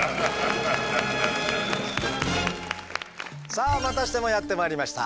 さあまたしてもやって参りました。